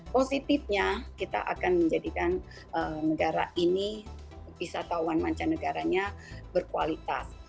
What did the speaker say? positifnya kita akan menjadikan negara ini wisatawan mancanegaranya berkualitas